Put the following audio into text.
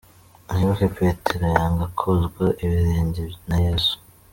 Mwibuke Petero yanga kozwa ibirenge na Yesu.